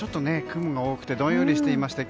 雲が多くてどんよりしていまして。